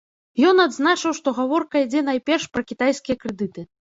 Ён адзначыў, што гаворка ідзе найперш пра кітайскія крэдыты.